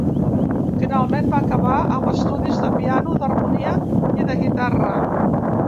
Finalment, va acabar amb estudis de piano, d'harmonia i de guitarra.